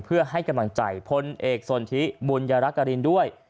เพื่อให้กำลังใจพลเอกสนทิบุญยรักกรินด้วย